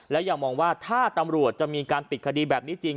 และยังมองว่าถ้าตำรวจจะมีการปิดคดีแบบนี้จริง